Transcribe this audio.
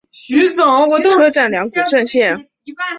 车站两股正线轨道中央设有存车线。